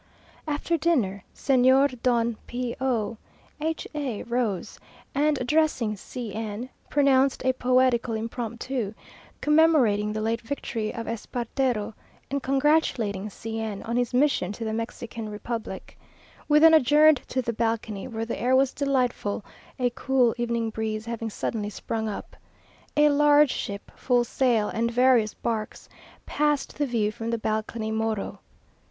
After dinner, Señor Don P o H a rose, and, addressing C n, pronounced a poetical impromptu, commemorating the late victory of Espartero, and congratulating C n on his mission to the Mexican republic. We then adjourned to the balcony, where the air was delightful, a cool evening breeze having suddenly sprung up. A large ship, full sail, and various barks, passed the View From the Balcony Morro.